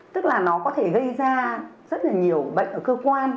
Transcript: tức là nó có thể gây ra rất là nhiều bệnh ở cơ quan